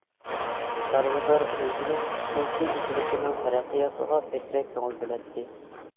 چارۋىدار ئۆزىنىڭ خۇسۇسىي ئىگىلىكىنىڭ تەرەققىياتىغا بەكرەك كۆڭۈل بۆلەتتى.